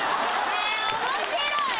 え面白い。